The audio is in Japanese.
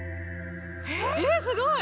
えすごい！